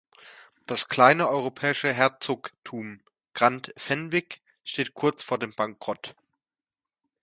Das kleine europäische Herzogtum Grand Fenwick steht kurz vor dem Bankrott.